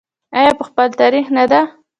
آیا په خپل تاریخ نه ده؟